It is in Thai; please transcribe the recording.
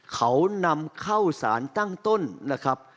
เขานำเข้าสารตั้งต้นนะครับ